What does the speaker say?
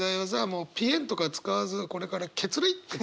もう「ぴえん」とか使わずこれから「血涙」って。